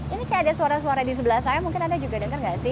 ini kayak ada suara suara di sebelah saya mungkin anda juga dengar gak sih